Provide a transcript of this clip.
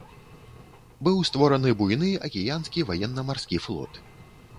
Быў створаны буйны акіянскі ваенна-марскі флот.